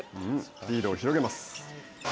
リードを広げます。